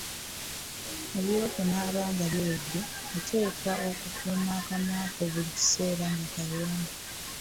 Eby'okunaaba nga biwedde, oteekwa okukuuma akamwa ko buli kiseera nga kayonjo.